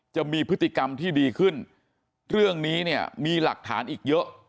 จะมีพฤติกรรมที่ดีขึ้นเรื่องนี้เนี่ยมีหลักฐานอีกเยอะ